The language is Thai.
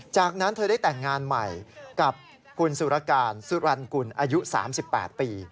จากนั้นเธอได้แต่งงานใหม่กับคุณสุรการสุรรณกุลอายุ๓๘ปี